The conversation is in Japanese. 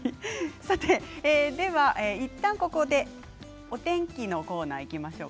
ではいったん、ここでお天気のコーナーにいきます。